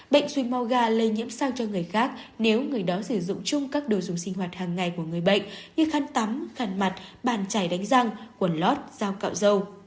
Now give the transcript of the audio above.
bệnh suối màu gà lây nhiễm sang cho người khác nếu người đó sử dụng chung các đồ dùng sinh hoạt hàng ngày của người bệnh như khăn tắm khăn mặt bàn chải đánh răng quần lót dao cạo dâu